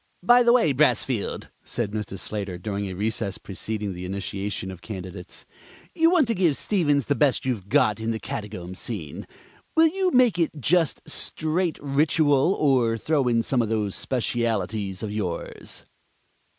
"By the way, Brassfield," said Mr. Slater during a recess preceding the initiation of candidates, "you want to give Stevens the best you've got in the Catacombs scene. Will you make it just straight ritual, or throw in some of those specialities of yours?"